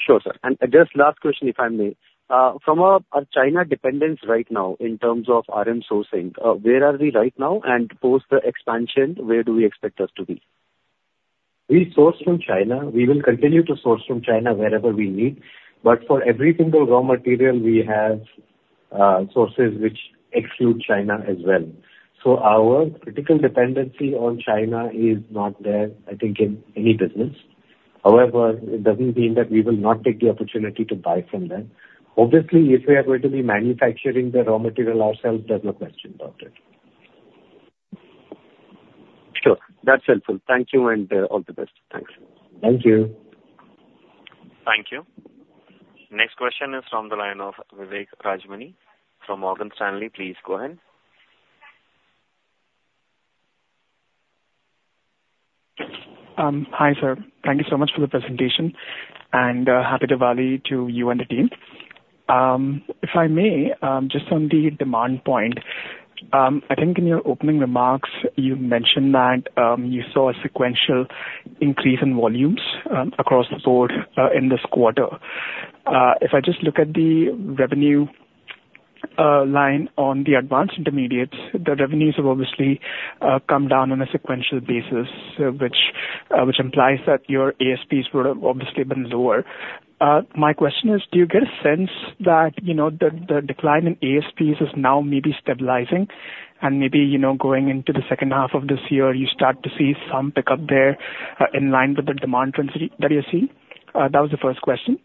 Sure, sir. And just last question, if I may. From our China dependence right now, in terms of RM sourcing, where are we right now? And post the expansion, where do we expect us to be? We source from China. We will continue to source from China wherever we need, but for every single raw material, we have sources which exclude China as well. So our critical dependency on China is not there, I think, in any business. However, it doesn't mean that we will not take the opportunity to buy from them. Obviously, if we are going to be manufacturing the raw material ourselves, there's no question about it. Sure. That's helpful. Thank you, and all the best. Thanks. Thank you. Thank you. Next question is from the line of Vivek Rajamani from Morgan Stanley. Please go ahead. Hi, sir. Thank you so much for the presentation, and happy Diwali to you and the team. If I may, just on the demand point, I think in your opening remarks, you mentioned that you saw a sequential increase in volumes across the board in this quarter. If I just look at the revenue line on the Advanced Intermediates, the revenues have obviously come down on a sequential basis, which implies that your ASPs would have obviously been lower. My question is, do you get a sense that, you know, the decline in ASPs is now maybe stabilizing and maybe, you know, going into the second half of this year, you start to see some pickup there in line with the demand trends that you are seeing? That was the first question.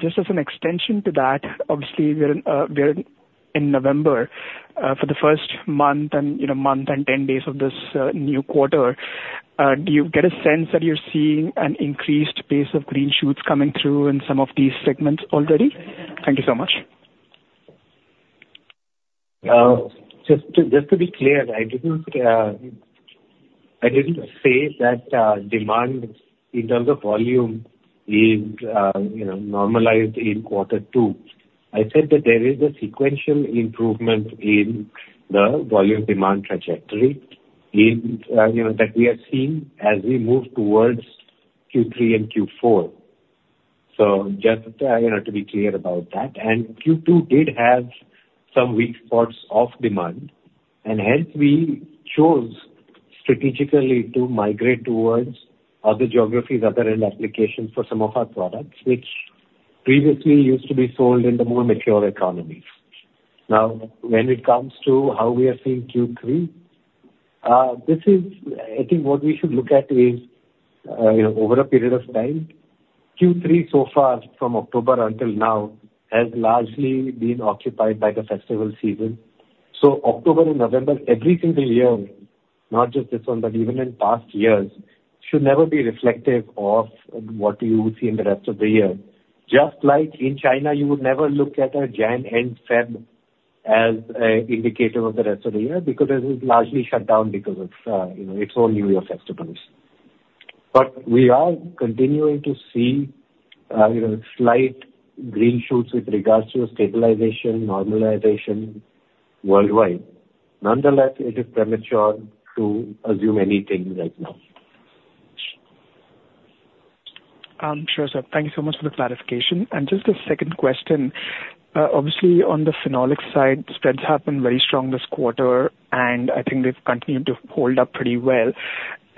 Just as an extension to that, obviously, we're in November, for the first month and, you know, 10 days of this new quarter. Do you get a sense that you're seeing an increased pace of green shoots coming through in some of these segments already? Thank you so much. Just to, just to be clear, I didn't, I didn't say that, demand in terms of volume is, you know, normalized in quarter two. I said that there is a sequential improvement in the volume demand trajectory in, you know, that we are seeing as we move towards Q3 and Q4. So just, you know, to be clear about that, and Q2 did have some weak spots of demand, and hence we chose strategically to migrate towards other geographies, other end applications for some of our products, which previously used to be sold in the more mature economies. Now, when it comes to how we are seeing Q3, this is... I think what we should look at is, you know, over a period of time, Q3 so far from October until now, has largely been occupied by the festival season. So October and November, every single year, not just this one, but even in past years, should never be reflective of what you would see in the rest of the year. Just like in China, you would never look at a January and February as an indicator of the rest of the year, because it is largely shut down because of, you know, its own New Year festivals. But we are continuing to see, you know, slight green shoots with regards to stabilization, normalization worldwide. Nonetheless, it is premature to assume anything right now. Sure, sir. Thank you so much for the clarification. Just a second question. Obviously, on the phenolic side, spreads have been very strong this quarter, and I think they've continued to hold up pretty well.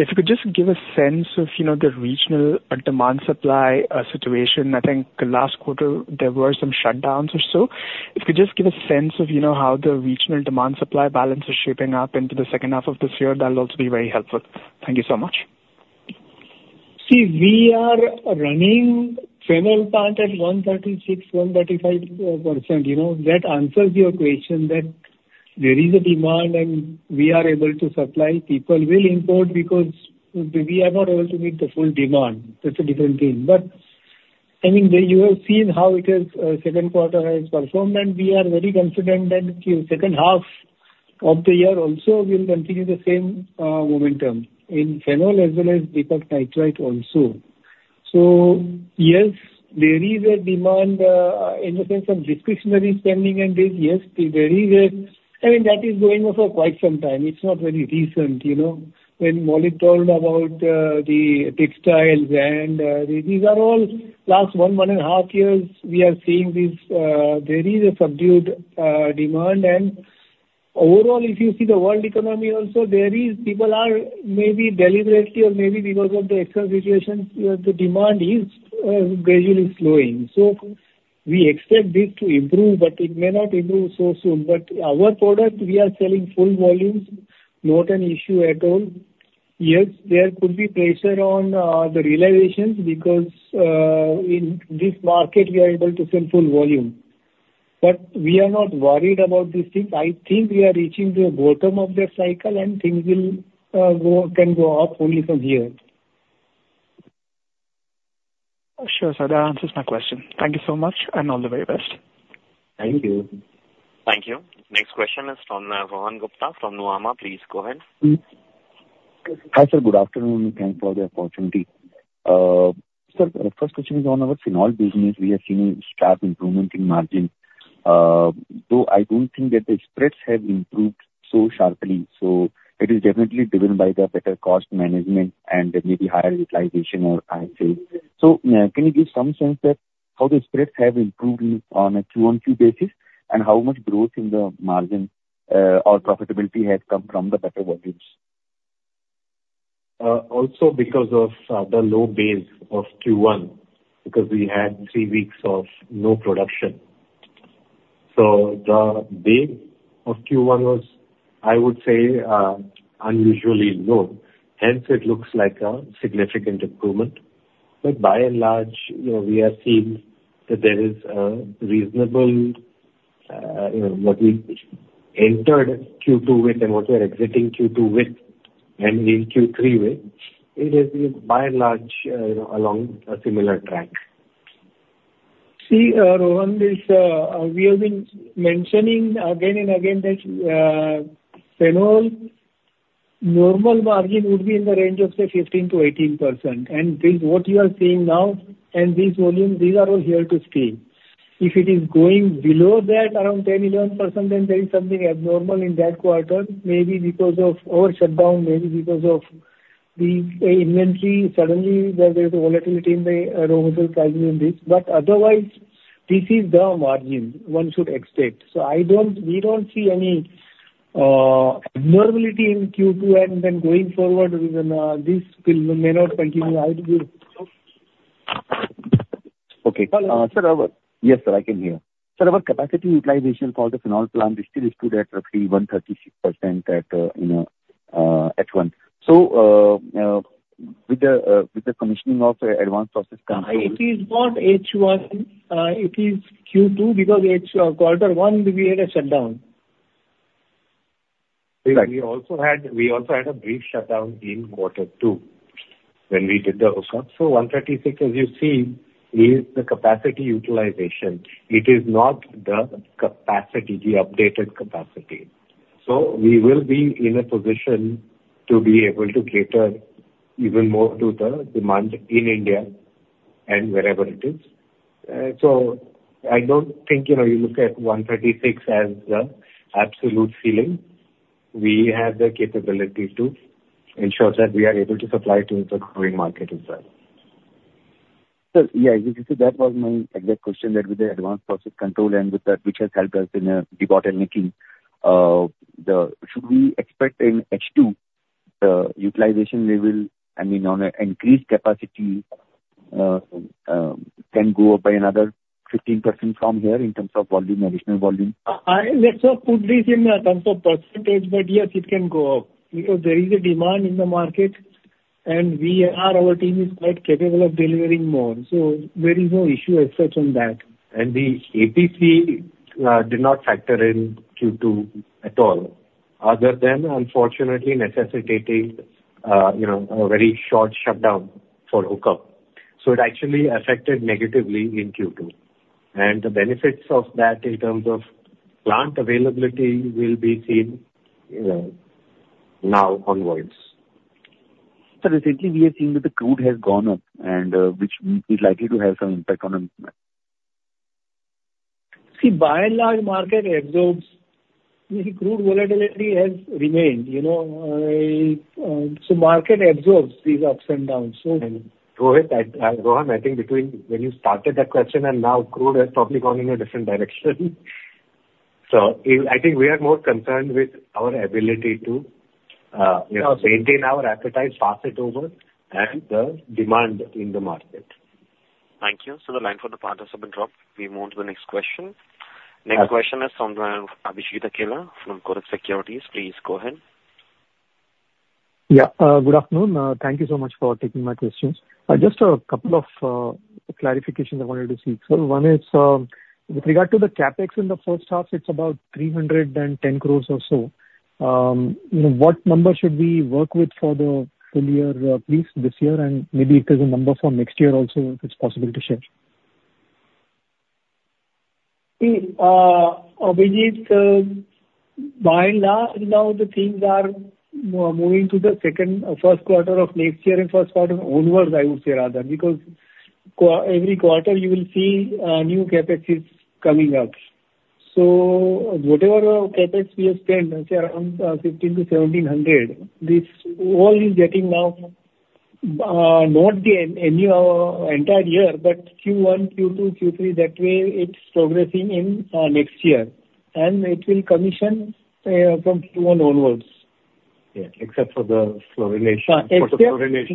If you could just give a sense of, you know, the regional demand-supply situation. I think the last quarter there were some shutdowns or so. If you could just give a sense of, you know, how the regional demand-supply balance is shaping up into the second half of this year, that will also be very helpful. Thank you so much. ... See, we are running Phenol plant at 136, 135%. You know, that answers your question, that there is a demand and we are able to supply. People will import because we are not able to meet the full demand. That's a different thing. But I mean, you have seen how it is, second quarter has performed, and we are very confident that in second half of the year also will continue the same momentum in Phenol as well as Deepak Nitrite also. So yes, there is a demand, in the sense of discretionary spending and this, yes, there is a-- I mean, that is going on for quite some time. It's not very recent, you know. When Maulik told about the textiles and these are all last one and half years, we are seeing this. There is a subdued demand. And overall, if you see the world economy also, there is people are maybe deliberately or maybe because of the external situation, the demand is gradually slowing. So we expect this to improve, but it may not improve so soon. But our product, we are selling full volumes, not an issue at all. Yes, there could be pressure on the realizations because in this market, we are able to sell full volume. But we are not worried about these things. I think we are reaching the bottom of the cycle, and things will go, can go up only from here. Sure, sir. That answers my question. Thank you so much, and all the very best. Thank you. Thank you. Next question is from Rohan Gupta from Nuvama. Please go ahead. Hi, sir. Good afternoon, and thanks for the opportunity. Sir, the first question is on our Phenol business. We are seeing a sharp improvement in margin. Though I don't think that the spreads have improved so sharply, so it is definitely driven by the better cost management and then maybe higher utilization or higher sales. So, can you give some sense that how the spreads have improved in, on a Q-on-Q basis, and how much growth in the margin, or profitability has come from the better volumes? Also because of the low base of Q1, because we had three weeks of no production. So the base of Q1 was, I would say, unusually low, hence it looks like a significant improvement. But by and large, you know, we have seen that there is a reasonable, you know, what we entered Q2 with and what we are exiting Q2 with, and in Q3 with, it has been by and large, you know, along a similar track. See, Rohan, this, we have been mentioning again and again that, Phenol normal margin would be in the range of, say, 15%-18%. And with what you are seeing now, and this volume, these are all here to stay. If it is going below that, around 10%-11%, then there is something abnormal in that quarter. Maybe because of over shutdown, maybe because of the inventory. Suddenly, there, there's a volatility in the raw material pricing in this. But otherwise, this is the margin one should expect. So I don't -- we don't see any, abnormality in Q2, and then going forward, this will may not continue either with. Okay. Hello? Yes, sir, I can hear. Sir, our capacity utilization for the Phenol plant is still stood at roughly 136% at, you know, H1. So, with the commissioning of the advanced process coming- It is not H1, it is Q2, because it's quarter one, we had a shutdown. We also had a brief shutdown in quarter two when we did the hookup. So 136, as you see, is the capacity utilization. It is not the capacity, the updated capacity. So we will be in a position to be able to cater even more to the demand in India and wherever it is. So I don't think, you know, you look at 136 as the absolute ceiling. We have the capability to ensure that we are able to supply to the growing market as well. Sir, yeah, you see, that was my exact question, that with the Advanced Process Control and with that, which has helped us in debottlenecking. Should we expect in H2, the utilization level, I mean, on an increased capacity, can go up by another 15% from here in terms of volume, additional volume? Let's not put this in terms of percentage, but yes, it can go up. Because there is a demand in the market, and we are, our team is quite capable of delivering more, so there is no issue as such on that. The APC did not factor in Q2 at all, other than unfortunately necessitating, you know, a very short shutdown for hookup. It actually affected negatively in Q2. The benefits of that in terms of plant availability will be seen, you know, now onwards. Recently we have seen that the crude has gone up, and which is likely to have some impact on it. See, by and large, market absorbs. The crude volatility has remained, you know, so market absorbs these ups and downs. So, Rohan, I think between when you started that question and now, crude has probably gone in a different direction. So I think we are more concerned with our ability to, you know, maintain our appetite pass it over, and the demand in the market.... Thank you. So the line for the partner has been dropped. We move to the next question. Next question is from Abhijit Akella from Kotak Securities. Please go ahead. Yeah. Good afternoon. Thank you so much for taking my questions. Just a couple of clarifications I wanted to seek. So one is, with regard to the CapEx in the first half, it's about 310 crore or so. You know, what number should we work with for the full year, please, this year, and maybe if there's a number for next year also, if it's possible to share? See, Abhijit, by and large, now the things are moving to the second first quarter of next year and first quarter onwards, I would say rather, because every quarter you will see new CapEx is coming up. So whatever CapEx we have spent, let's say, around 1,500 crore-1,700 crore, this all is getting now not the any entire year, but Q1, Q2, Q3, that way it's progressing in next year. And it will commission from Q1 onwards. Yeah, except for the fluorination. Except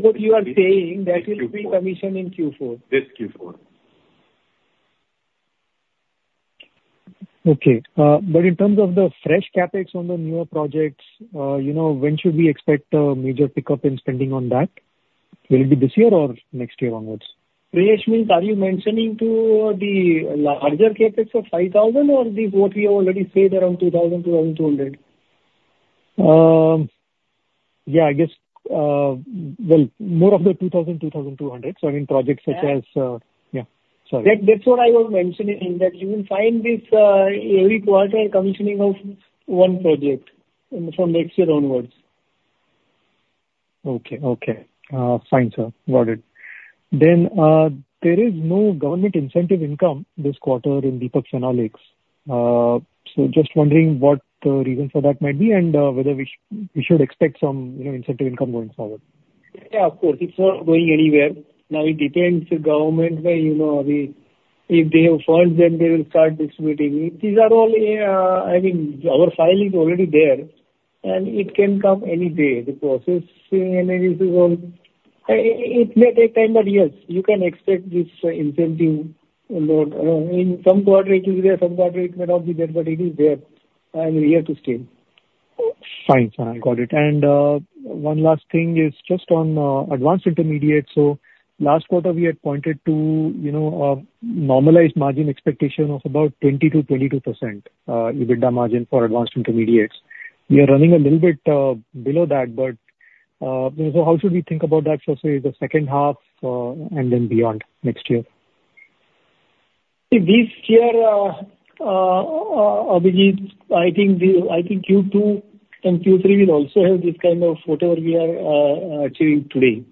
what you are saying, that will be commissioned in Q4. This Q4. Okay. But in terms of the fresh CapEx on the newer projects, you know, when should we expect a major pickup in spending on that? Will it be this year or next year onwards? Abhijit, are you mentioning to the larger CapEx of 5,000 crore or the, what we already said, around 2,200 crore? Yeah, I guess, well, more of the 2,200 crore. So I mean projects such as... Yeah, sorry. That, that's what I was mentioning, that you will find this every quarter commissioning of one project from next year onwards. Okay. Okay. Fine, sir. Got it. Then, there is no government incentive income this quarter in Deepak Phenolics. So just wondering what reason for that might be, and whether we should expect some, you know, incentive income going forward. Yeah, of course. It's not going anywhere. Now, it depends, the government, you know, we, if they have funds, then they will start distributing it. These are all, I mean, our file is already there, and it can come any day. The process and everything is all... It may take time, but yes, you can expect this incentive in the, in some quarter it will be there, some quarter it may not be there, but it is there, and here to stay. Fine, sir. I got it. And one last thing is just on Advanced Intermediates. So last quarter we had pointed to, you know, normalized margin expectation of about 20%-22% EBITDA margin for Advanced Intermediates. We are running a little bit below that, but so how should we think about that for, say, the second half, and then beyond next year? This year, AbhijIt, I think Q2 and Q3 will also have this kind of whatever we are achieving today.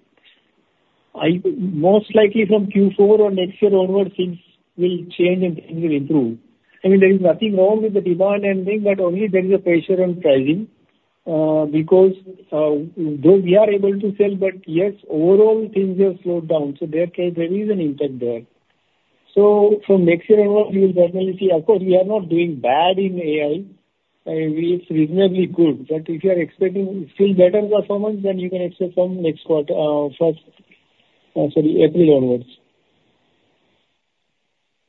Most likely from Q4 or next year onwards, things will change and things will improve. I mean, there is nothing wrong with the demand and thing, but only there is a pressure on pricing, because, though we are able to sell, but yes, overall things have slowed down, so there is an impact there. So from next year onwards, we will definitely see. Of course, we are not doing bad in AI. We is reasonably good, but if you are expecting still better performance, then you can expect from next quarter, first, sorry, April onwards.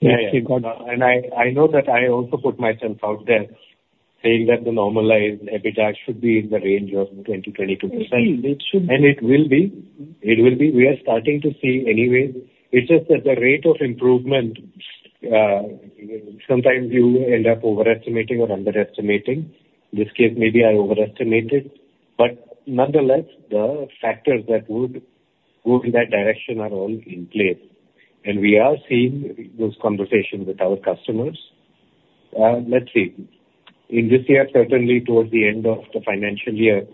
Yeah, yeah. Got it. I know that I also put myself out there, saying that the normalized EBITDA should be in the range of 20%-22%. It should. And it will be. It will be. We are starting to see anyways. It's just that the rate of improvement, sometimes you end up overestimating or underestimating. This case, maybe I overestimated, but nonetheless, the factors that would go in that direction are all in place, and we are seeing those conversations with our customers. Let's see. In this year, certainly towards the end of the financial year,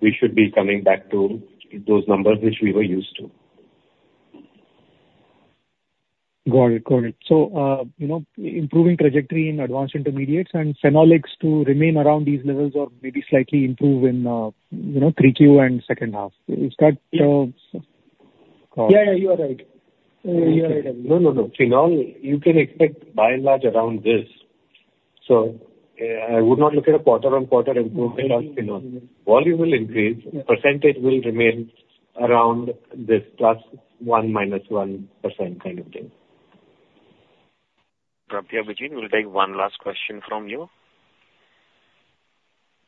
we should be coming back to those numbers which we were used to. Got it. Got it. So, you know, improving trajectory in Advanced Intermediates and Phenolics to remain around these levels or maybe slightly improve in, you know, 3Q and second half. Is that? Yeah, yeah, you are right. You are right. No, no, no. Phenol, you can expect by and large around this. So, I would not look at a quarter-on-quarter improvement on phenol. Volume will increase, percentage will remain around this, +1%, -1% kind of thing. Abhijit, we'll take one last question from you.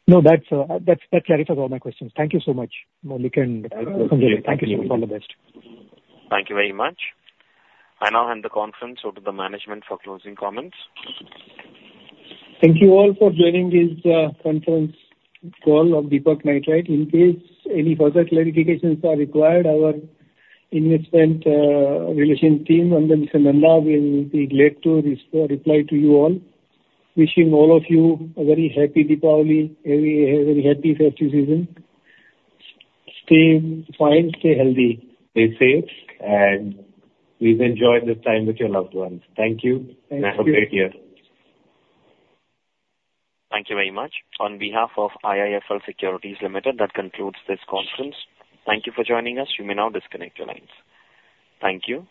No, that's that clarifies all my questions. Thank you so much, Maulik and- Thank you. Thank you. All the best. Thank you very much. I now hand the conference over to the management for closing comments. Thank you all for joining this conference call of Deepak Nitrite. In case any further clarifications are required, our investment relation team, Anand Nanda, will be glad to reply to you all. Wishing all of you a very happy Diwali, a very happy festive season. Stay fine, stay healthy. Stay safe, and please enjoy this time with your loved ones. Thank you. Thank you. Have a great year. Thank you very much. On behalf of IIFL Securities Limited, that concludes this conference. Thank you for joining us. You may now disconnect your lines. Thank you.